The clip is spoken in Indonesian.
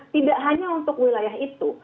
tidak hanya untuk wilayah itu